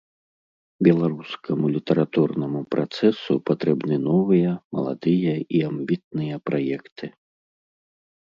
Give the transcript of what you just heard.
Беларускаму літаратурнаму працэсу патрэбны новыя, маладыя і амбітныя праекты.